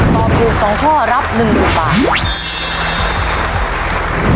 ตอบถูกสองข้อรับหนึ่งสองบาท